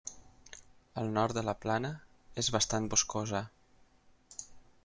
El nord de la plana és bastant boscosa.